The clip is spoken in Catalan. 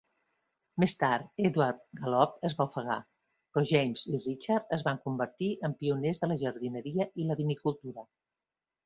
Més tard, Edward Gallop es va ofegar, però James i Richard es van convertir en pioners de la jardineria i la vinicultura.